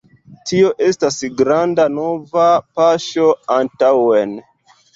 Tio estas granda nova paŝo antaŭen